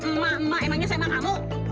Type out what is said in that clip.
emak emak emak emaknya saya emak kamu